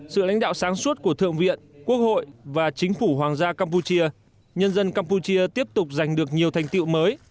sự lãnh đạo sáng suốt của thượng viện quốc hội và chính phủ hoàng gia campuchia nhân dân campuchia tiếp tục giành được nhiều thành tiệu mới